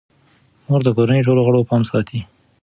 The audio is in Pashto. مور د کورنۍ ټولو غړو پام ساتي.